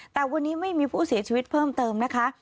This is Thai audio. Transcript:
แต่วันนี้ไม่มีผู้เสียชีวิตเพิ่มเติมนะคะ